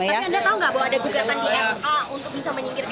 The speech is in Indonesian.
tapi anda tahu nggak bahwa ada gugatan di ma untuk bisa menyingkirkan